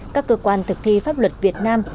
các cơ quan thực thi pháp luật việt nam